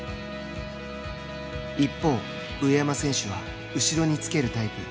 一方、上山選手は後ろにつけるタイプ。